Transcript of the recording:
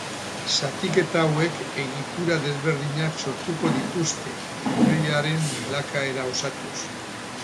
Zatiketa hauek egitura desberdinak sortuko dituzte, enbrioiaren bilakaera osatuz.